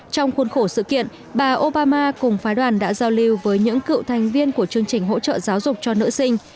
trong khuôn khổ sự kiện bà obama cùng phái đoàn đã giao lưu với những cựu thành viên của chương trình hỗ trợ giáo dục cho nữ sinh